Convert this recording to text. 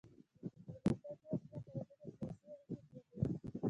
د ډيپلوماسي په وسيله هیوادونه سیاسي اړيکي زیاتوي.